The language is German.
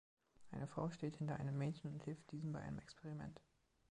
Eine Frau steht hinter einem Mädchen und hilft diesem bei einem Experiment